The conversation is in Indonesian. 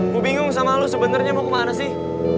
gue bingung sama lo sebenarnya mau kemana sih